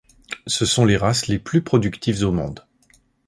Ce sont les races les plus productives au monde.